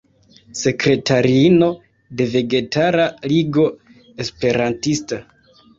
Sekretariino de Vegetara Ligo Esperantista.